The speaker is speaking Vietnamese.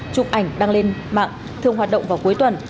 chụp ảnh đăng lên mạng thường hoạt động vào cuối tuần